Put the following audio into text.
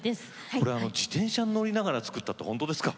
これ自転車に乗りながら作ったって本当ですか？